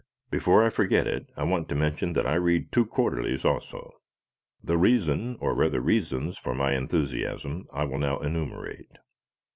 Before I forget it I want to mention that I read two quarterlies also. The reason, or rather reasons, for my enthusiasm I will now enumerate.